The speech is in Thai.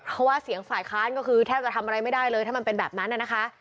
เพราะว่าเสียงฝ่ายค้านก็คือแทบจะทำอะไรไม่ได้เลยถ้ามันเป็นแบบนั้นนะคะ